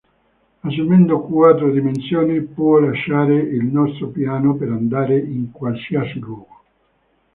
Assumendo quattro dimensioni, può lasciare il nostro piano per andare in qualsiasi luogo.